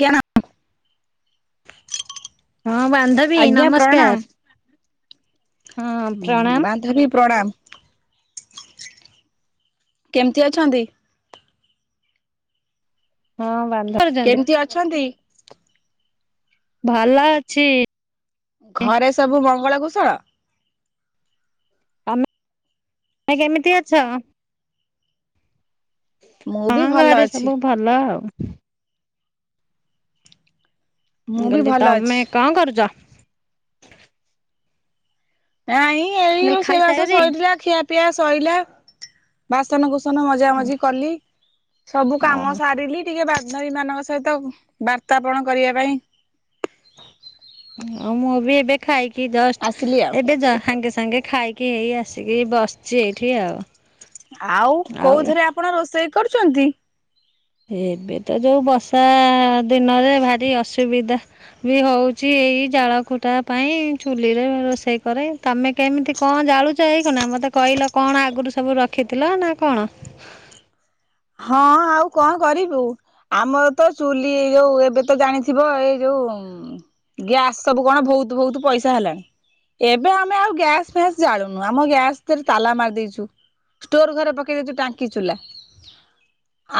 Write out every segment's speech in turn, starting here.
କିଅଣ। ହଁ ବାନ୍ଧବୀ ଆଜ୍ଞା ପ୍ରଣାମ ନମସ୍କାର। ହଁ ହୁଁ ପ୍ରଣାମ ବାନ୍ଧବୀ ପ୍ରଣାମ କେମିତି ଅଛନ୍ତି। ହଁ ବାନ୍ଧ କରିଛନ୍ତି। କେମିତି ଅଛନ୍ତି। ଭଲ ଅଛି। ଘରେ ସବୁ ମଙ୍ଗଳ କୁଶଳ। ତମେ କେମିତି ଅଛ? ମୁଁ ହଁ ବି ଭଲ ଘରେ ଅଛି ସବୁ ଭଲ ଆଉ। ମୁଁ ବି କହିଲି ଭଲ ତମେ ଅଛି। କଣ କରୁଚ? ନାଇଁ ଏଇ କହିଲି ରୋଷେଇବାଷ ଖାଇସାରି ସରିଲା ଖିଆ ପିଆ ସଇଁଲା। ବାସନକୁସନ ମଜା ମଜି କଲି। ସବୁ କାମ ଓହୋ ସାରିଲି ଟିକେ ବାନ୍ଧବୀ ମାନଙ୍କ ସହିତ ବାର୍ତାପଣ କରିବା ପାଇଁ ହଁ ମୁଁବି ଏବେ ଖାଇକି ଜଷ୍ଟ ଆସିଲି ଆଉ ଏବେ ଜ ସାଙ୍ଗେ ସାଙ୍ଗେ ଖାଇକି କି ଏଇ ଆସିକି ବସିଚି ଏଇଠି ଆଉ ଆଉ ଆପଣ ରୋଷେଇ କରୁଚନ୍ତି? ଏବେତ ଯୋଉ ବର୍ଷା ଦିନରେ ଭାରି ଅସୁବିଧା ବି ହଉଚି ଏଇ ଜାଳ, କୁଟା ପାଇଁ ଚୁଲିରେ ରୋଷେଇ କରେ। ତମେ କେମିତି କଣ ଜାଳୁଚ ଏଇଖିନା ମତେ କହିଲ କଣ ଆଗୁରୁ ସବୁ ରଖିଥିଲ ନାକଣ? ହଁ ଆଉ କଁ କରିବୁ। ଆମରତ ଚୁଲି ଯୋଉ ଏବେତ ଜାଣିଥିବ ଏଇ ଯୋଉ ଗ୍ୟାସ୍ ସବୁ କଣ ବହୁତ୍ ବହୁତ୍ ପଇସା ହେଲାଣି। ଏବେ ଆମେ ଆଉ ଗ୍ୟାସ୍ ଫ୍ୟାସ୍ ଜାଳୁନୁ ଆମ ଗ୍ୟାସ୍ ଦେରେ ତାଲା ମାରି ଦେଇଚୁ। ଷ୍ଟୋର ଘରେ ପକେଇ ଦେଇଚୁ ଟାଙ୍କି ଚୁଲା।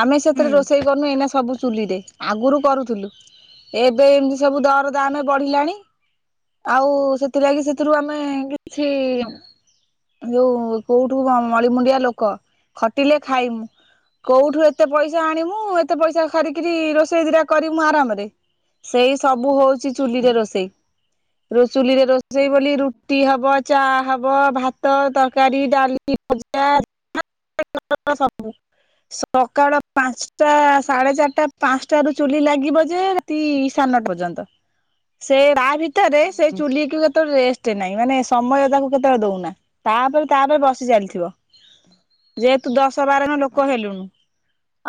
ଆମେ ହୁଁ। ସେଥିରେ ରୋଷେଇ କରନୁ ଏଇନା ସବୁ ଚୁଲିରେ। ଆଗୁରୁ କରୁଥିଲୁ ଏବେ ଏମିତି ସବୁ ଦର ଦାମେ ବଢ଼ିଲାଣି ଆଉ ସେଥିଲାଗି ସେଥିରୁ ଆମେ କିଛି ଯୋଉ କୋଉଠୁ ମଳିମୁଣ୍ଡିଆ ଲୋକ ଖଟିଲେ ଖାଇମୁ କୋଉଠୁ ଏତେ ପଇସା ଆଣୀମୁ ଏତେ ପଇସା ସାରିକିରି ରୋଷେଇ ଦିଟା କରିମୁ ଆରାମରେ ସେଇ ସବୁ ହଉଚି ଚୁଲିରେ ରୋଷେଇ। ରୋ ଚୁଲିରେ ରୋଷେଇ ବୋଲି ରୁଟି ହବ ଚା ହବ ଭାତ ତରକାରୀ ଡ଼ାଲି କିଭଯା ମରତ ସବୁ ସକାଳ ପାଞ୍ଚଟା ସାଢେ ଚାରିଟା ପାଞ୍ଚଟାରୁ ଚୁଲି ଲାଗିବ ଯେ ରାତି ସାଢେ ନଟା ପର୍ଯ୍ୟନ୍ତ ସେ ତାଭିତରେ ସେ ଚୁଲିକୁ କେତେଳେ ରେଷ୍ଟ ନାହିଁ ମାନେ ସମୟ ତାକୁ କେତେବେଳେ ଦଉନା ତାପରେ ତାପରେ ବସି ଚାଲିଥିବ। ଯେହେତୁ ଦଶ ବାର ଜଣ ଲୋକ ହେଲୁଣୁ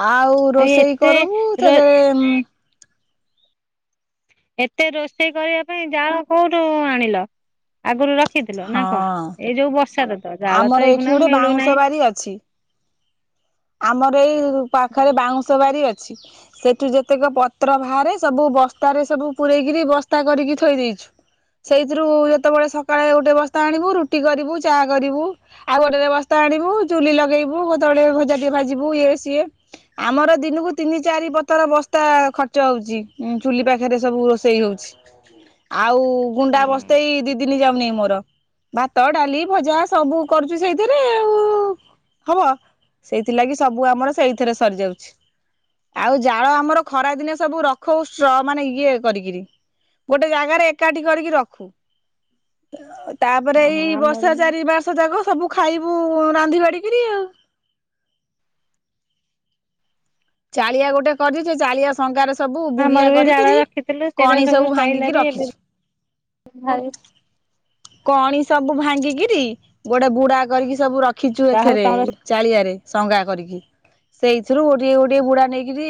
ଆଉ ଏଇ ରୋଷେଇ ଏତେ କରିବୁ ରୋ ସେଥିରେ ଏତେ ରୋଷେଇ କରିବା ପାଇଁ ଜାଳ କୋଉଠୁ ଆଣିଲ? ଆଗରୁ ରଖିଥିଲ ନାକଣ ହଁ ଏଇ ଯୋଉ ବର୍ଷା ଋତୁରେ? ଆମର ଏଇଠି ଗୋଟେ ବାଉଁଶ ବାରି ଅଛି। ଆମର ଏଇ ପାଖରେ ବାଉଁଶ ବାରି ଅଛି। ସେଠୁ ଯେତେକ ପତ୍ର ବାହାରେ ସବୁ ବସ୍ତାରେ ସବୁ ପୂରେଇକିରି ବସ୍ତା କରିକି ଥୋଇ ଦେଇଚି ସେଇଥିରୁ ଯେତେବେଳେ ସକାଳେ ଗୋଟେ ବସ୍ତା ଆଣିବୁ ରୁଟି କରିବୁ ଚା କରିବୁ ଆଉ ଗୋଟେରେ ବସ୍ତା ଆଣିବୁ ଚୁଲି ଲଗେଇବୁ କେତେବେଳେ ଭଜା ଟିକେ ଭାଜିବୁ ଇଏ ସିଏ ଆମର ଦିନକୁ ତିନି ଚାରି ପଥର ବସ୍ତା ଖର୍ଚ୍ଚ ହଉଚି ଚୁଲି ପାଖରେ ସବୁ ରୋ ସେଇ ହେଉଚି ଆଉ ଗୁଣ୍ଡା ବସ୍ତେଇ ଦି ଦିନି ଯାଉନି ମୋର ଭାତ ଡ଼ାଲି ଭଜା ସବୁ କରୁଚୁ ସେଇଥିରେ ଆଉ ହବ। ସେଇଥିଲାଗି ସବୁ ଆମର ସେଇଥିରେ ସରିଯାଉଛି। ଆଉ ଜାଳ ଆମର ଖରା ଦିନେ ସବୁ ରଖୁ ଷ୍ଟ୍ର ମାନେ ଇଏ କରିକିରି ଗୋଟେ ଜାଗାରେ ଏକାଠି କରିକି ରଖୁ। ତାପରେ ଓହୋ ଏଇ ଆମର ବି ବର୍ଷା ଚାରି ମାସ ଯାକ ସବୁ ଖାଇବୁ ରାନ୍ଧି ବାଡ଼ିକିରି ଆଉ। ଚାଳିଆ ଗୋଟେ କରିଚି ସେଚାଳିଆ ଶଙ୍ଗାରେ ସବୁ ଆମର ବୁଡିଆ ବି ଜାଳ କରିକିରି ରଖିଥିଲୁ ସେଇଟା କଣି ସବୁ ଭାଙ୍ଗିକି ସଇଲାଣି ଏବେ ରଖିଚି। [unintelligible] କଣି ସବୁ ଭାଙ୍ଗିକିରି ଗୋଟେ ବୁଡା କରିକି ସବୁ ରଖିଛୁ ଯାହା ହଉ ଏଥେରେ। ତମର ଚାଳିଆରେ ସଙ୍ଗା କରିକି। ସେଇଥିରୁ ଗୋଟିଏ ଗୋଟିଏ ବୁଡା ନେଇକିରି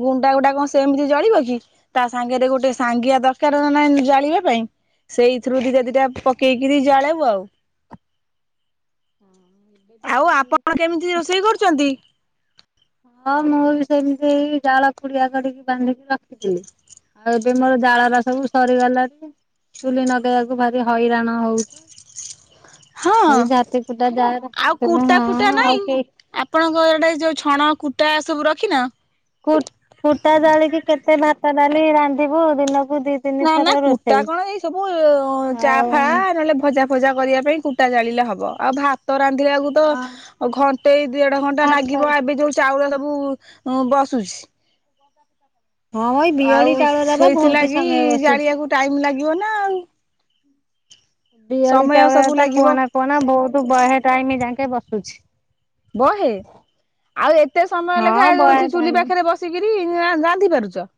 ଗୁଣ୍ଡା ଗୁଣ୍ଡା କଣ ସେମିତି ଜଳିବ କି। ତା ସାଙ୍ଗରେ ଗୋଟେ ସାଙ୍ଗିଆ ଦରକାର ନା ନାଇଁ ଜାଳିବା ପାଇଁ ସେଇ ଏଇଥିରୁ ଦିଟା ଦିଟା ପକେଇକିରି ଜାଳିବୁ ଆଉ। ହଁ ଏବେ ତ ଆଉ ସେଇ ଆପଣ କେମିତି ରୋଷେଇ କରୁଛନ୍ତି? ହଁ ମୁଁ ବି ସେମିତି ଜାଳ କୁଡିଆ କରିକି ବାନ୍ଧିକି ରଖିଥିଲି। ଆଉ ଏବେ ମୋର ଜାଳରା ସବୁ ସରିଗଲାଣି। ଚୁହ୍ଲି ନଗେଇବାକୁ ଭାରି ହଇରାଣ ହଉ ହଁ ଏଇ ଝାଟି କୁଟା ଆଉ ଯାହାରଖିଥିଲୁ କୁଟା ହଁ ଫୁଟା ନାଇଁ ଆଉ କେଇ ଆପଣଙ୍କ ଆଡ଼େ ଯୋଉ ଛଣ କୁଟା ସବୁ ରଖିିନ? କୁଟ କୁଟା ଜାଳିକି କେତେ ଭାତ ଡାଲି ରାନ୍ଧିବୁ ଦିନକୁ ଦି ତିନି ନା ଥର ନା କୁଟା ରୋଷେଇ। କଣ ଏଇ ସବୁ ଚା ଆଉ ଫା ନହେଲେ ଭଜା ଭଜା କରିବା ପାଇଁ କୁଟା ଜାଳିଲେ ହବ ଆଉ ଭାତ ରାନ୍ଧିବାକୁ ତ ହଁ ଘଣ୍ଟେଇ ଦେଢ ଘଣ୍ଟା ନାଗିବ ଏବେ ଯୋଉ ଚାଉଳ ସବୁ ବସୁଛି। ହଁ ଏଇ ବିଅଳି ଆଉ ଚାଉଳରା ବା ବହୁତ ସେଇଥିଲାଗି ସମୟ ବସୁଛି। ଜାଳିବାକୁ ଟାଇମ ଲାଗିବ ନା ଆଉ। ଦିଆଳି ସମୟ ଚାଉଳରେ ସବୁ ତ ଲାଗିବ କୁହନା କୁହନା ବହୁତ ବହେ ଟାଇମ ଜାଙ୍କେ ବସୁଛି। ବହେ ଆଉ ଏତେ ସମୟ ଲେଖା ହଁ ବହେ ଜଉଚି ଚୁଲି ଟାଇମ। ପାଖରେ ବସି ଆସି କିରି ରାନ୍ଧି ପାରୁଚ?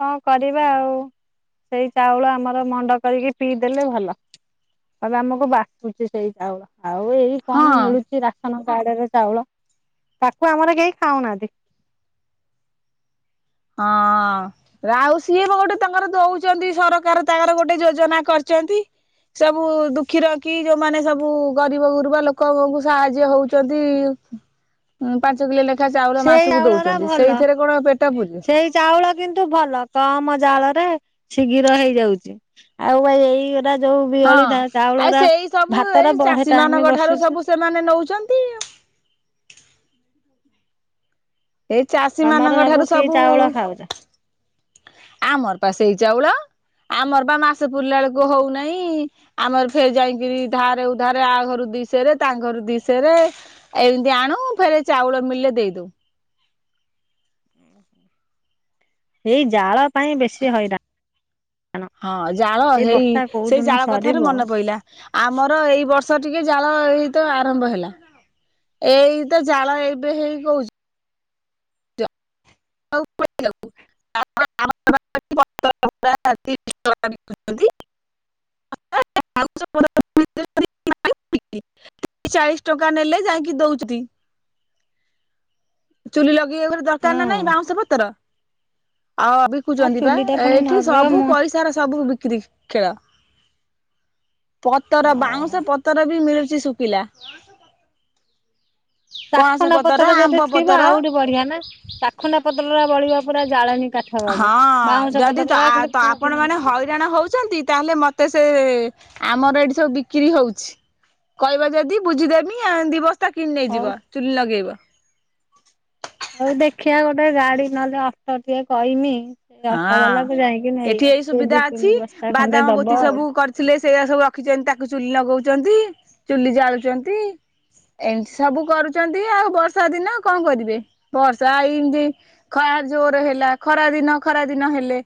କଣ କରିବା ଆଉ ସେଇ ଚାଉଳ ଆମର ମଣ୍ଡ କରିକି ପିଇଦେଲେ ଭଲ। ଆମକୁ ବାସୁଛି ସେଇ ଚାଉଳ। ଆଉ ଏଇ କଣ ହଁ ମିଳୁଛି ରାସନ କାର୍ଡରେ ଚାଉଳ ତାକୁ ଆମର କେହି ଖାଉନାହାନ୍ତି। ହଁ। ରାଉ ସିଏ ଗୋଟେ ତାଙ୍କର ଦଉଛନ୍ତି ସରକାର ତାଙ୍କର ଗୋଟେ ଯୋଜନା କରିଛନ୍ତି। ସବୁ ଦୁଃଖୀ ରଙ୍କି ଯୋଉମାନେ ସବୁ ଗରିବ ଗୁରୁବା ଲୋକଙ୍କୁ ସାହାଯ୍ୟ ହଉଛନ୍ତି। ଉଁ ପାଞ୍ଚ କିଲୋ ଲେଖା ଚାଉଳ ସେଇ ମାସକୁ ଚାଉଳରା ଦଉଛନ୍ତି ଭଲ ସେଇଥେରେ କଣ ପେଟ ପୁରିଜିବ। ସେଇ ଚାଉଳ କିନ୍ତୁ ଭଲ କମ ଜାଳରେ ଶୀଘ୍ର ହେଇଯାଉଚି ଆଉ ଭାଇ ଏଇ ଯୋଉ ହଁ। ବିୟଳି ଆଉ ଚାଉଳରା ସେଇ ସବୁ ଏଇ ଭାତରା ବହେ ଚାଷୀ ମାନଙ୍କ ଟାଇମ ଠାରୁ ସବୁ ବସୁଚି। ସେମାନେ ନଉଚନ୍ତି। ଏଇ ଚାଷୀ ତମର ମାନଙ୍କ ଠାରୁ କି ସବୁ ଚାଉଳ ଖାଉଛ ଆମର ପା ସେଇ ଚାଉଳ ଆମର ବା ମାସେ ପୁରିଲା ଏଳକୁ ହଉନାଇଁ। ଆମର ଫେରେ ଯାଇକିରି ଧାରେ ଉଧାରେ ଆ ଘରୁ ଦିସେରେ ତାଙ୍କ ଘରୁ ଦିସେରେ ଏମିତି ଆଣୁ ଫେରେ ଚାଉଳ ମଳିଲେ ଦେଇଦଉ। ଓୁଁ [unintelligible] ଏଇ ଜାଳ ପାଇଁ ବେଶୀ ହଇରା ହଁ, ଜାଳ ଏଇ ହେଇ ବର୍ଷା କୋଉ ସେଇ ଦିନ ଜାଳ ସରିବ କଥାରୁ ମନେ ପଇଲା। ଆମର ଏଇ ବର୍ଷ ଟିକେ ଜାଳ ଏଇତ ଆରମ୍ଭ ହେଲା। ଏଇତ ଜାଳ ଏବେ ହେଇ କହୁଛି [unintelligible] ାୟ ତିରିଶ ଟଛନ୍ତି [unintelligible] [unintelligible] ତିରିଶ ଚାଳିଶ ଟଙ୍କା ନେଲେ ଯାଇକି ଦଉଚତି। ଚୁଲି ଲଗେଇବାକୁ ଫେରେ ହଁ ଦରକାର ନା ନାଇଁ ଆଉ ବାଉଁଶ ପତ୍ର ଆଉ ଅବି ସିଖୁଛନ୍ତି ବା ଚୁଲିଟା ପୁଣି ଏଠି ନଗେଇବ ସବୁ ମୁଁ ପଇସାର ସବୁ ବିକ୍ରି ଖେଳ। ପତର ଓହୋ ବାଉଁଶ ପତର ବି ମିଳୁଛି ଶୁଖିଲା। ପଣସ ଚାଖୁଣ୍ଡା ପତର ପତ୍ର ଆମ୍ବ ଯଦି ଥିବ ପତର ଆଉରି ବଢିଆ ନା ଚାଖୁଣ୍ଡା ପତ୍ରଟା ଜଳିବା ପୁରା ଜାଳେଣୀ କାଠ ବାଗେ। ହଁ, ବାଉଁଶ ଯଦି ପତ୍ରରା ଖାଲି ଫୁ ଆପଣ କିନା ମାନେ ନାଗିଯିବ। ହଇରାଣ ହଉଛନ୍ତି ତାହେଲେ ମତେ ମତେ ସେ ଆମର ଏଠି ସବୁ ବିକ୍ରି ହଉଛି। କହିବା ଯଦି ବୁଝିଦେବି ଏ ଦି ବସ୍ତା କିଣି ହଉ ନେଇଯିବ ଚୁଲି ଲଗେଇବ। ଆଉ ଦେଖିବା ଗୋଟେ ଗାଡି ନହେଲେ ଅଟ ଟିକେ କହିମି। ଏ ଅଟୋ ହଁ ବାଲାକୁ ଯାଇକି ନେଇ ଏଠି ଏଇ ଆସିବି ସୁବିଧା ଦିଇ ତିନି ବସ୍ତା ଖଣ୍ଡେ ଦବ ଆଉ ଥିଲେ ସେଇା ସବୁ ରଖିଛନ୍ତି ତାକୁ ଚୁଲି ଲଗଉଛନ୍ତି ଚୁଲି ଜାଳୁଛନ୍ତି। ଏସବୁ କରୁଛନ୍ତି ଆଉ ବର୍ଷା ଦିନ କଣ କରିବେ ବର୍ଷା ଏଇମିତି ଖରା ଜୋର ହେଲା ଖରା ଦିନ ଖରା ଦିନ ହେଲେ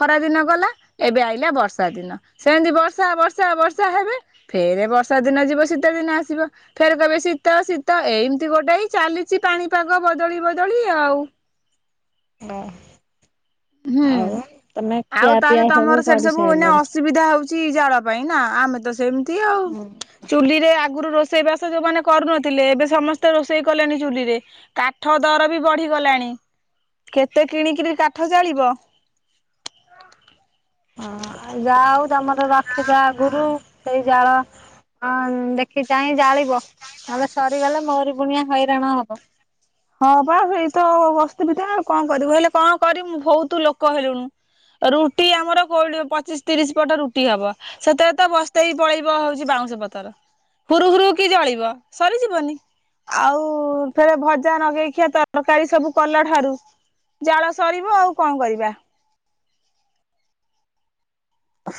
ଖରା ଦିନ ଗଲା ଏବେ ଆଇଲା ବର୍ଷା ଦିନ ସେମିତି ବର୍ଷା ବର୍ଷା ବର୍ଷା ହେବେ ଫେରେ ବର୍ଷା ଦିନ ଯିବ ଶୀତ ଦିନ ଆସିବ। ଫେର କହିବେ ଶୀତ ଶୀତ ଏମିତି ଗୋଟେ ହଇ ଚାଲିଛି ପାଣିପାଗ ବଦଳି ବଦଳି ଆଉ। ଅ। ହୁଁ ଆଉ ପିଆ ତାହେଲେ ତମର ସେଠି ସବୁ କରିସାଇଲଣି? ଅସୁବିଧା ହଉ ଛି ଜାଳ ପାଇଁ ନା ଆମେ ତ ସେମିତି ଆଉ ହଁ ଚୁଲିରେ ଆଗରୁ ରୋଷେଇବାସ ଯୋଉମାନେ କରୁନଥିଲେ ଏବେ ସମସ୍ତେ ରୋଷେଇ କଲେଣି ଚୁଲିରେ। କାଠ ଦର ବି ବଢିଗଲାଣି କେତେ କିଣିକିରି କାଠ ଜାଳିବ। ହଁ ଯା ହଉ ତମର ରଖିଛ ଆଗୁରୁ ସେଇ ଜାଳ ହଁ ଦେଖି ଚାହିଁ ଜାଳିବ ହେଲେ ସରିଗଲେ ମୋରି ବୁଣିଆ ହଇରାଣ ହବ। ହଁ ବା ସେଇତ ବସ୍ତି ଭିତରେ ଆଉ କଣ କରିବୁ ହେଲେ କଣ କରିବୁ ବହୁତ ଲୋକ ହେଲୁଣୁ। ରୁଟି ଆମର କୋଉ ପଚିଶ ତିରିଶ ପଟ ରୁଟି ହବ। ସେଥେରେ ତ ବସ୍ତେଇ ହି ପଳେଇବ ହଉଛି ବାଉଁଶ ପତର। ଫୁରୁ ହୁରୁ କି ଜଳିବ ସରିଯିବନି ଆଉ ଫେରେ ଭ ଯା ଲଗେଇ ଖିଆ ତରକାରୀ ସବୁ କଲା ଠାରୁ ଜାଳ ସରିବ ଆଉ କଣ କରିବା? ହ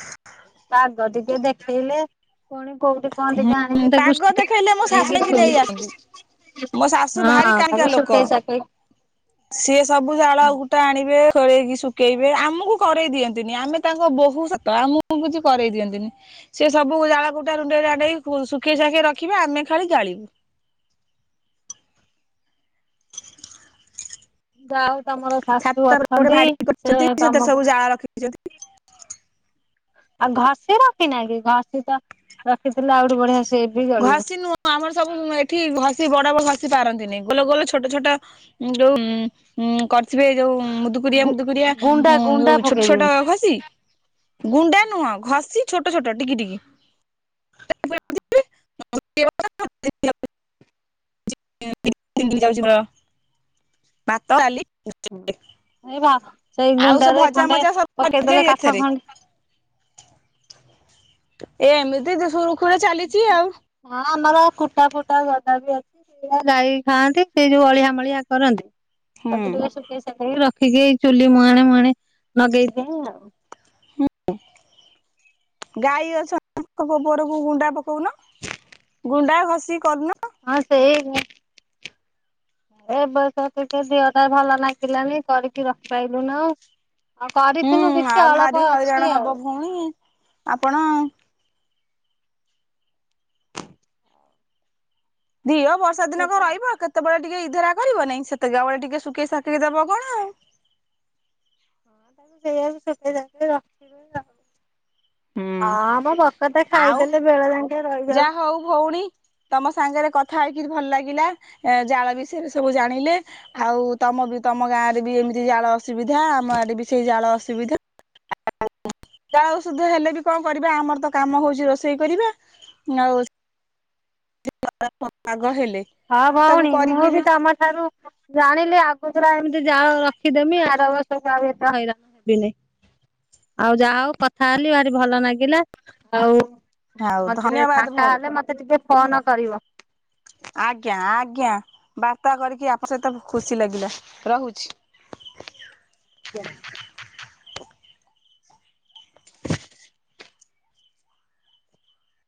ବାହାର ଟିକେ ଦେଖେଇଲେ ପୁଣି କୋଉଠି କଣ ଟିକେ ଆଣିକି ତାକୁ ପାଗ ଶୁଖେଇ ଦେଖେଇଲେ ମୋ ଶାଶୁ ନେଇକି ନେଇ ଯାଇକି ଆସନ୍ତି ଶୁ ମୋ ଶାଶୁ ଭାରି ହଁ କାଣିକା ତାକୁ ଲୋକ। ଶୁଖେଇ ସାଖେଇ ସିଏ ସବୁ ଜାଳ ଗୁଟା ଆଣିବେ ଖରେଇକି ଶୁଖେଇବେ ଆମକୁ ଖରେଇ ଦିଅନ୍ତିନି ଆମେ ତାଙ୍କ ବୋହୁ ସ ତ ଆମକୁ କିଛି କରଇ ଦିଅନ୍ତିନି ସିଏ ସବୁ ଜାଳ କୁ ରୁଣ୍ଡେଇ ରାଣ୍ଡେଇ ଶୁଖେଇ ସାଖେଇ ରଖିବେ ଆମେ ଖାଲି ଜାଳିବୁ। [inaudible] ଯାହଉ ତମର ଶାଶୁ ଛାତ ଉପରେ ଅଛନ୍ତି ଭାଡି ସେ କରିଛନ୍ତି ସେଥିରେ ତମକୁ ସବୁ ଜାଳ ରଖିଛନ୍ତି। ଆଉ ଘଷି ରଖି ନଁ କି ଘଷି ତ ରଖିଥିଲେ ଆଉଠି ବଢିଆ ସେଏ ବି ଜଳିବ। ହଁ ଆମର ସବୁ ଏଠି ବଡ ବଡ ଘସି ପାରନ୍ତିନି ଗୋଲ ଗୋଲ ଛୋଟ ଛୋଟ ହୁଁ ହୁଁ ଯୋଉ କ ଥିବେ ଯୋଉ ମୁଦୁକୁରିଆ ଗୁ ମୁଦୁକୁରିଆ ଗୁଣ୍ଡା ଗୁଣ୍ଡା ଯୋଉ ଛୋଟ ପକେଇ ଛୋଟ ଦିଅନ୍ତି। ଘସି ଗୁଣ୍ଡା ନୁହଁ ଘଷି ଛୋଟ ଛୋଟ ଟିକି ଟିକି [inaudible] ଦିନ ଯାଉଛି ମୋର ଭାତ ଡ଼ାଲି ଏଇ ବା ସେଇ ଆଉ ସେ ଗୁଣ୍ଡାରେ ଭଜା ଖଣ୍ଡେ ମଜା ସବୁ ପକେଇଦେଲେ ଯାଏ କାଠ ଏଥିରେ ଖଣ୍ଡେ ଏ ଏମିତି ସୁରୁଖୁରୁରେ ଚାଲିଛି ଆଉ ହଁ, ଆମର କୁଟା ଫୁଟା ଗଦା ବି ଅଛି। ସେଗୁଡ଼ା ଗାଈ ଖାଆନ୍ତି, ସେ ଯୋଉ ଅଳିଆ ମଳିଆ କରନ୍ତି ହୁଁ ତାକୁ ଟିକେ ଶୁଖେଇଶାଖେଇ ରଖିକି, ଏଇ ଚୁଲି ମୁହାଣେ ମୁହାଣେ, ଲଗେଇ ଦିଏ ଆଉ। ହଁ, ଗାଈ ଅଛ, ତାଙ୍କ ଗୋବରକୁ ଗୁଣ୍ଡା ପକଉନ? [unintelligible] ଗୁଣ୍ଡା ଘଷି କରୁନ? ହଁ ସେଇ ଏ ବର୍ଷ ଟିକେ ଦେଅଟା ଭଲ ଲାଗିଲାନି, କରିକି ରଖିପାଇଲୁନୁ ଉ। ଆଉ ହୁଁ କରିିଥିନୁ କିଛି, ଆଉ ଅଳପ ଭାରି ହଇରାଣ ଅଛି ହବ ଆଉ। ଭଉଣୀ। ଆପଣ? ଦିଅ ବର୍ଷା ଦିନକ ରହିବ କେତେ ସେତେବେଳେ ଟିକେ ଇଧରା କରିବ ନାଇଁ, ସେତେକା ବେଳେ ଟିକେ ଶୁକେଇସାକି ଦବ କଣ ଆଉ। ତାକୁ ସେଇଆକୁ ସୁକେଇସାକେଇ ରଖିବେ ଆ। ହୁଁ ହଁ ମ, ବକତେ ଆଉ ଖାଇଦେଲେ, ବେଳେ ଯାଙ୍କେ ରଇ ଯାହା ଯାଉଚୁ। ହଉ ଭଉଣୀ ତମ ସାଙ୍ଗରେ କଥା ହେଇକିରି ଭଲ ଲାଗିଲା, ଏ ଜାଳ ବିଷୟରେ ସବୁ ଜାଣିଲେ। ଆଉ ତମ ବି ତମ ଗାଁ ରେ ବି ଏମିତି ଜାଳ ଅସୁବିଧା, ଆମ ଆଡେ ବି ସେଇ ଜାଳ ଅସୁବିଧା ଆଉ ସୁଧ ହେଲେ ବି କଣ କରିବା, ଆମର ତ କାମ ହଉଛି ରୋଷେଇ କରିବା, ଆଉ [unintelligible] ପାଗ ହେଲେ ହଁ ତାକୁ ଭଉଣୀ, ମୁଁ ବି କରିକିରି ତମ ଠାରୁ ଜାଣିଲି, ଆଗତୁରା ଏମିତି ଜାଳ ରଖିଦେମି, ଆର ବର୍ଷକୁ ଆଉ ଏତେ ହଇରାଣ ଆଉ, ଯାହା ହଉ କଥା ହେଲି, ଭାରି ଭଲ ନାଗିଲା, ଆଉ ଆଉ ମଝିରେ ଧନ୍ୟବାଦ ଫାଙ୍କା ଭଉଣୀ ହେଲେ, ମତେ ଟିକେ ଫୋନ କରିବ। ଆଜ୍ଞା ଆଜ୍ଞା, ବାର୍ତ୍ତା କରିକି ଆପ ସହିତ ଖୁସି ଲାଗିଲା, ରହୁଛି। [unintelligible]